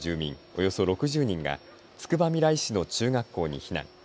およそ６０人がつくばみらい市の中学校に避難。